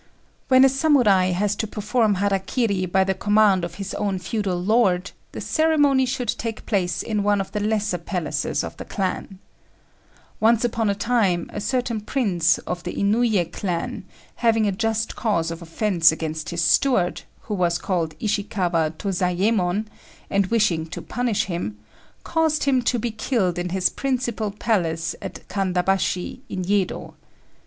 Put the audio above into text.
When a Samurai has to perform hara kiri by the command of his own feudal lord, the ceremony should take place in one of the lesser palaces of the clan. Once upon a time, a certain prince of the Inouyé clan, having a just cause of offence against his steward, who was called Ishikawa Tôzayémon, and wishing to punish him, caused him to be killed in his principal palace at Kandabashi, in Yedo.